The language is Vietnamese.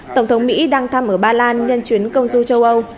tổng thống mỹ đang thăm ở ba lan nhân chuyến công du châu âu